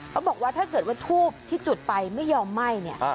เขาบอกว่าถ้าเกิดว่าทูบที่จุดไปไม่ยอมไหม้เนี่ย